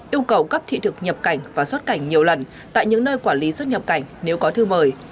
yêu cầu cấp thị thực nhập cảnh và xuất cảnh nhiều lần tại những nơi quản lý xuất nhập cảnh nếu có thư mời